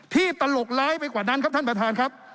ตลกร้ายไปกว่านั้นครับท่านประธานครับ